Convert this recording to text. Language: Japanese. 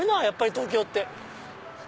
やっぱり東京って。